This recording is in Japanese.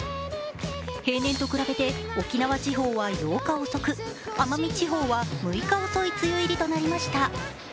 平年と比べて沖縄地方は８日遅く、奄美地方は６日遅い梅雨入りとなりました。